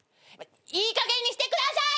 いいかげんにしてください！